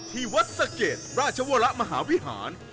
ที่วัดสะเกดราชวรมหาวิหาร